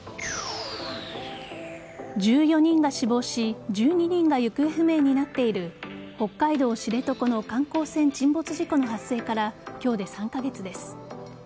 １４人が死亡し１２人が行方不明になっている北海道知床の観光船沈没事故の発生から、今日で３カ月です。